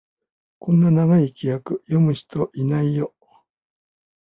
こんな長い規約、読む人いないよ